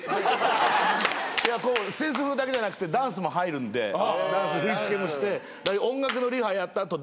扇子振るだけじゃなくてダンスも入るんで振り付けもして。